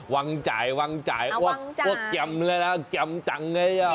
วางจ่ายวางจ่ายว่าเกรียมแล้วนะเกรียมจังเลย